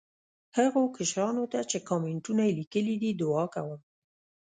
هغو کشرانو ته چې کامینټونه یې لیکلي دي، دعا کوم.